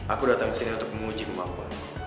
aku datang ke sini untuk menguji kemampuan